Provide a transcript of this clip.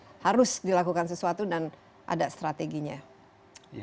bahwa ini ada harus dilakukan sesuatu dan ada strateginya